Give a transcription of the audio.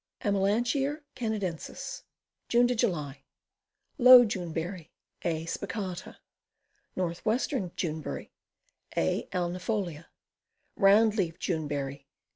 Amelanchier Canadensis. June July. Low June berry. A. spicata. Northwestern June berry. A. alnifoUa. Round leaved June berry.